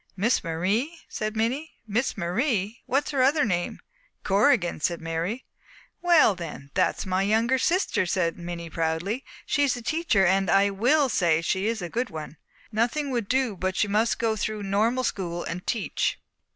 "Miss Marie?" said Minnie. "Miss Marie? What is her other name?" "Corrigan," said Mary. "Well, then, that's my younger sister," said Minnie proudly. "She's a teacher, and I will say she is a good one. Nothing would do but she must go through normal school and teach.